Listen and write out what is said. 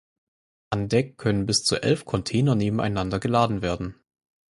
An Deck können bis zu elf Container nebeneinander geladen werden.